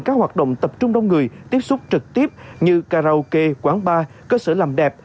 các hoạt động tập trung đông người tiếp xúc trực tiếp như karaoke quán bar cơ sở làm đẹp